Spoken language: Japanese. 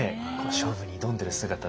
勝負に挑んでる姿って。